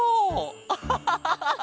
アハハハハ。